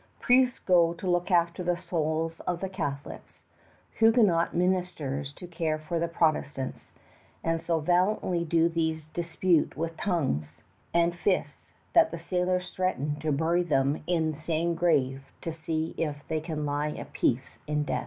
Priests go to look after the souls of the Catholics, Huguenot ministers to care for the Protestants, and so valiantly do these dispute with tongues and fists that the sailors threaten to bury them in the same grave to see if they can lie at peace in death.